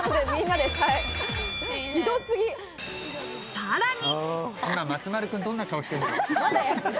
さらに。